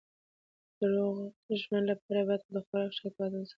د روغ ژوند لپاره باید د خوراک او څښاک توازن وساتل شي.